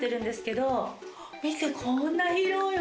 こんな広い！